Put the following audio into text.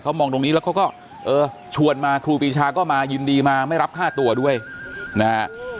มองตรงนี้แล้วเขาก็เออชวนมาครูปีชาก็มายินดีมาไม่รับค่าตัวด้วยนะฮะ